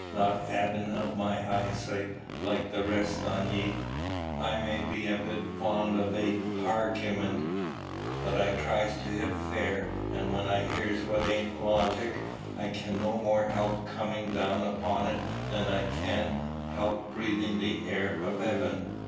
Not avin' of my heyesight like the rest on ye, I may be a bit fond of a harguyment; but I tries to hit fair, and when I hears what ain't logic, I can no more help comin' down upon it than I can help breathin' the air o' heaven.